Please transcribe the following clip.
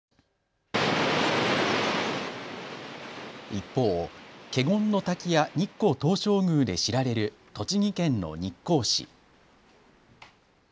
一方、華厳滝や日光東照宮で知られる栃木県の日光市。